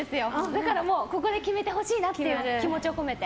だから、ここで決めてほしいなっていう気持ちを込めて。